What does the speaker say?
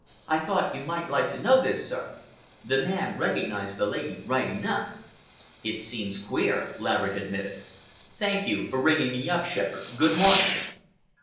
"I thought you might like to know this, sir. The man recognized the lady right enough." "It seems queer," Laverick admitted. "Thank you for ringing me up, Shepherd. Good morning!"